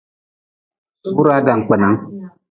Wuraa dankpenan.